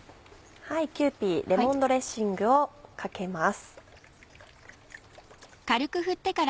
「キユーピーレモンドレッシング」をかけます。